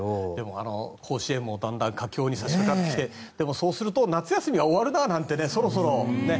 甲子園もだんだん佳境に差し掛かってきてそうすると夏休みが終わるななんてそろそろね。